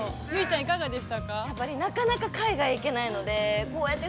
いかがでした？